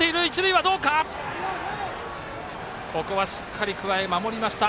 ここはしっかり桑江守りました。